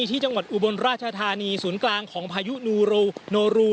ที่จังหวัดอุบลราชธานีศูนย์กลางของพายุนูโนรู